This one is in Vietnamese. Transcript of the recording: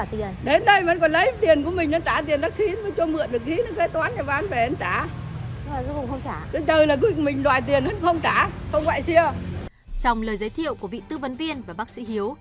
trong lời giới thiệu của vị tư vấn viên và bác sĩ hiếu